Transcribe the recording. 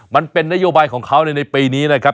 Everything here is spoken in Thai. มันเป็นนโยบายของเขาในปีนี้นะครับ